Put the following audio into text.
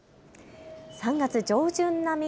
３月上旬並み。